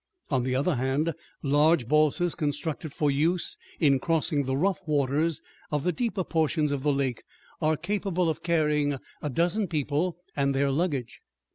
On the other hand, large balsas constructed for use in crossing the rough waters of the deeper portions of the lake are capable of carrying a dozen people and their luggage.